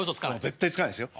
絶対つかないですよ。